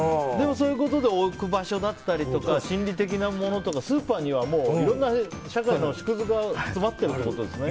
そういうことで置く場所だったり心理的なものとかスーパーにはいろんな社会の縮図が詰まっているってことですね。